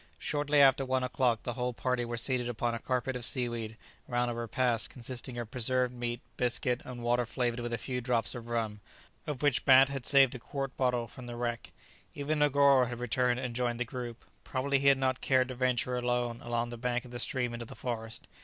Shortly after one o'clock the whole party were seated upon a carpet of seaweed round a repast consisting of preserved meat, biscuit, and water flavoured with a few drops of rum, of which Bat had saved a quart bottle from the wreck. Even Negoro had returned and joined the group; probably he had not cared to venture alone along the bank of the stream into the forest.